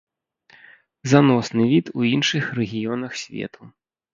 Заносны від у іншых рэгіёнах свету.